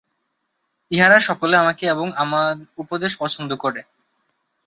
ইহারা সকলে আমাকে এবং আমার উপদেশ পছন্দ করে।